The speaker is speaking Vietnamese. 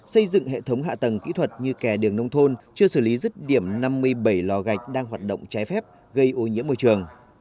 xây dựng hệ thống hạ tầng kỹ thuật như kè đường nông thôn chưa xử lý rứt điểm năm mươi bảy lò gạch đang hoạt động trái phép gây ô nhiễm môi trường